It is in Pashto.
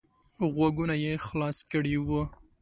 غوږونه یې خلاص کړي وو.